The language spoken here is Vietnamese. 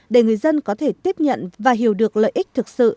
để người dân có thể tiếp nhận và hiểu được lợi ích thực sự